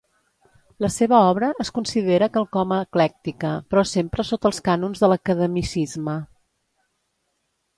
La seva obra es considera quelcom eclèctica però sempre sota els cànons de l’academicisme.